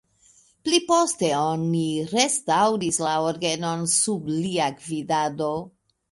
Pli poste oni restaŭris la orgenon sub lia gvidado.